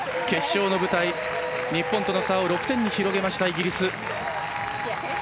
決勝の舞台、日本との差を６点に広げました、イギリス。